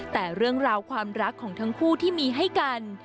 แต่เรื่องราวความรักของทั้งคู่ที่มีให้กัน